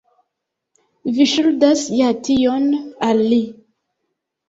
Vi ŝuldas ja tion al li.